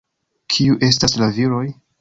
Kiu estas la viroj?